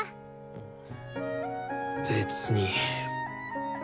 別に。